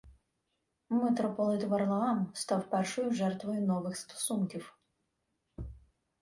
Митрополит Варлаам став першою жертвою нових стосунків